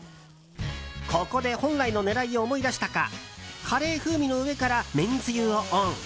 ここで本来の狙いを思い出したかカレー風味の上からめんつゆをオン。